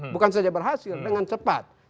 bukan saja berhasil dengan cepat